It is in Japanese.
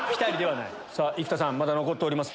生田さんまだ残っております。